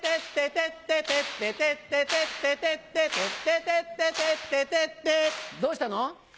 テッテテッテテッテテッテテッテテッテテッテテッテどうしたの？